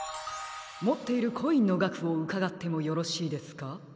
もっているコインのがくをうかがってもよろしいですか？